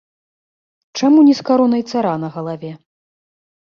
Чаму не з каронай цара на галаве?